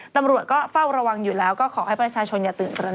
ตำรวจก็เฝ้าระวังอยู่แล้วก็ขอให้ประชาชนอย่าตื่นตระห